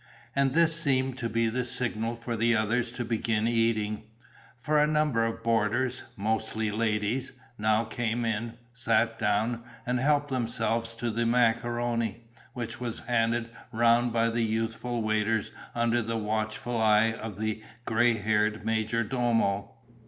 And this seemed to be the signal for the others to begin eating, for a number of boarders, mostly ladies, now came in, sat down and helped themselves to the macaroni, which was handed round by the youthful waiters under the watchful eye of the grey haired major domo.